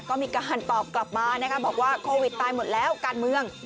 ก็มีการตอบกลับมานะคะบอกว่าโควิดตายหมดแล้วการเมือง